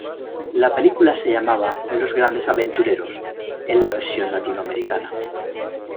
La película se llamaba "Los Grandes Aventureros" en la versión latinoamericana.